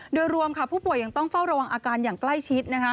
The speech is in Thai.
โดยรวมค่ะผู้ป่วยยังต้องเฝ้าระวังอาการอย่างใกล้ชิดนะคะ